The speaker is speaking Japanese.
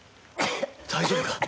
大丈夫か？